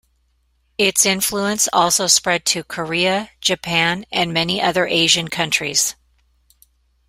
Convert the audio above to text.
Its influence also spread to Korea, Japan, and many other Asian countries.